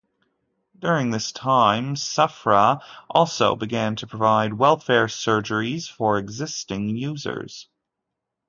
During this time, Sufra also began to provide Welfare Surgeries for existing users.